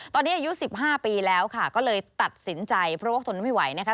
ตอนนี้อายุ๑๕ปีแล้วค่ะก็เลยตัดสินใจเพราะว่าทนไม่ไหวนะคะ